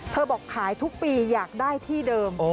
บอกขายทุกปีอยากได้ที่เดิม